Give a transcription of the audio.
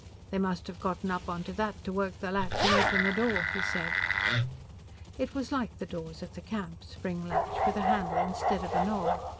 "They must have gotten up on that to work the latch and open the door," he said. It was like the doors at the camp, spring latch, with a handle instead of a knob.